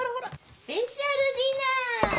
スペシャルディナー。